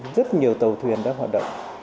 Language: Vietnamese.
rất nhiều tàu thuyền đang hoạt động